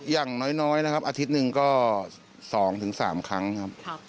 อย่างน้อยนะครับอาทิตย์หนึ่งก็๒๓ครั้งครับ